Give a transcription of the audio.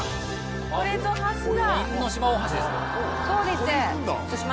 これぞ橋だ。